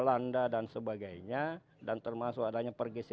lantunan nada ilagaligo yang merupakan perwujudan bahasa dewata